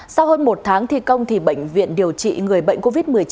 sau hơn một tháng thi công bệnh viện điều trị người bệnh covid một mươi chín